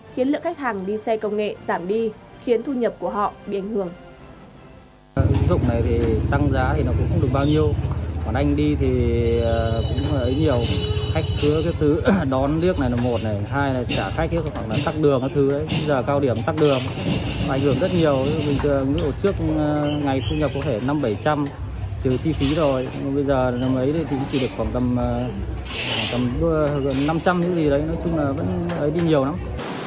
khiến lượng khách hàng đi xe công nghệ giảm đi khiến thu nhập của họ bị ảnh hưởng